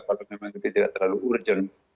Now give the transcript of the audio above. kalau memang itu tidak terlalu urgent